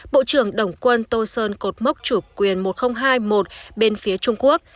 bộ trưởng đồng quân tô sơn cột mốc chủ quyền một nghìn hai mươi một bên phía trung quốc